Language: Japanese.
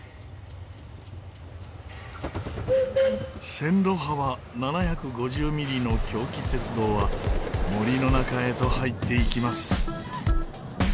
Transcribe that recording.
線路幅７５０ミリの狭軌鉄道は森の中へと入っていきます。